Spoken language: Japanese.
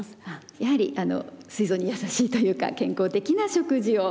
やはりすい臓に優しいというか健康的な食事をするということが大切ですね。